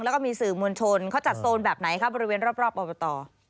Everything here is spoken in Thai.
แล้วก็มีสื่อมวลชนเขาจัดโซนแบบไหนครับบริเวณรอบอบต